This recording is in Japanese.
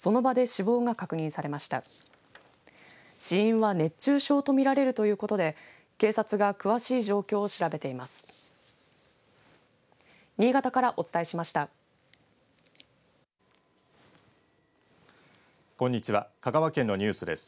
死因は熱中症と見られるということで警察が詳しい状況を調べています。